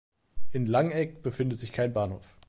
In Langegg befindet sich kein Bahnhof.